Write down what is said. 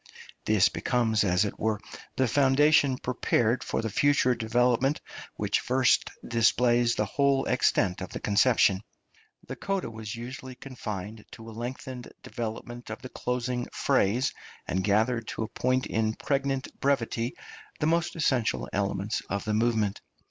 This becomes, as it were, the foundation prepared for the future development which first displays the whole extent of the conception. The coda was usually confined to a lengthened development of the closing phrase, and gathered to a point in pregnant brevity the most essential elements of the movement.